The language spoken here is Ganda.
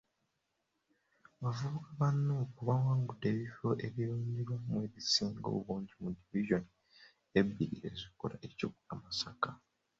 Abavubuka ba NUP bawangudde ebifo ebironderwamu ebisinga obungi mu divizoni ebbiri ezikola ekibuga Masaka.